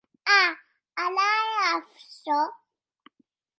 A!, ara hè açò?